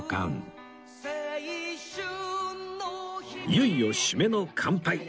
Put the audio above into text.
いよいよ締めの乾杯